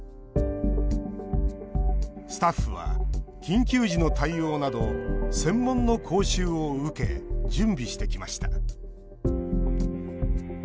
スタッフは緊急時の対応など専門の講習を受け準備してきました。